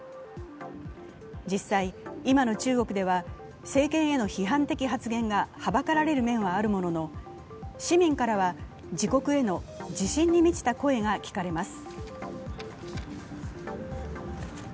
実際、今の中国では政権への批判的発言がはばかられる面はあるものの、市民からは自国への自信に満ちた声が聞かれます。